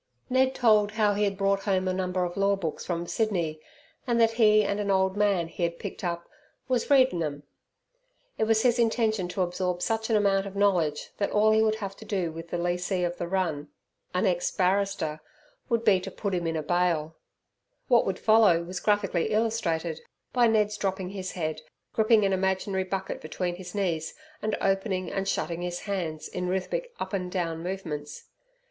Ned told how he had brought home a number of law books from Sydney, and that he and an old man he had picked up "wus readin' 'em". It was his intention to absorb such an amount of knowledge that all he would have to do with the lessee of the run an ex barrister would be to put him in a bail. What would follow was graphically illustrated by Ned's dropping his head, gripping an imaginary bucket between his knees, and opening and shutting his hands in rhythmic up and down movements.